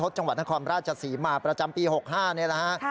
สีหมาประจำปี๖๕นี่แหละฮะ